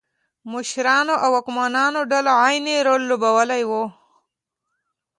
مشرانو او واکمنو ډلو عین رول لوباوه.